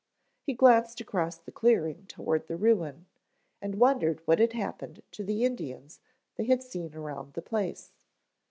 He glanced across the clearing toward the ruin, and wondered what had happened to the Indians they had seen around the place.